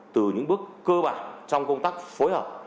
từ những bước cơ bản trong công tác phối hợp